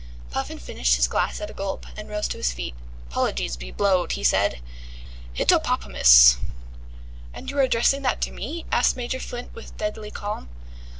Puffin finished his glass at a gulp, and rose to his feet. "'Pologies be blowed," he said. "Hittopopamus!" "And were you addressing that to me?" asked Major Flint with deadly calm.